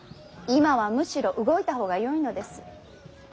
今はむしろ動いた方がよいのです。